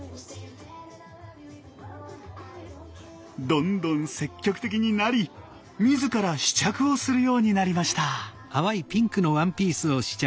どんどん積極的になり自ら試着をするようになりました。